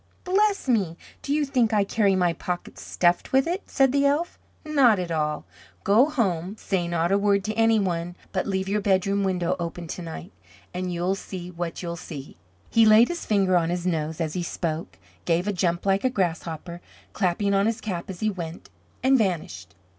"Bless me. Do you think I carry my pockets stuffed with it?" said the elf. "Not at all. Go home, say not a word to any one, but leave your bedroom window open to night, and you'll see what you'll see." He laid his finger on his nose as he spoke, gave a jump like a grasshopper, clapping on his cap as he went, and vanished.